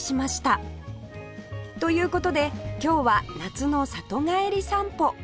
という事で今日は夏の里帰り散歩